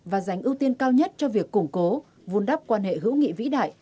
và giành ưu tiên cao nhất cho việc củng cố vun đắp quan hệ hữu nghị vĩ đại